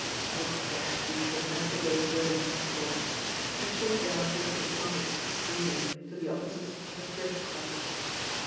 "Oh, dash these domesticated women!" he thought, and shortly afterwards departed, brooding, to the offices of the Thrift Club.